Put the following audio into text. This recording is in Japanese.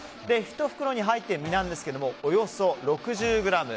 １袋に入っている身なんですがおよそ６０ｇ。